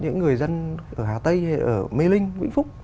những người dân ở hà tây ở mê linh vĩnh phúc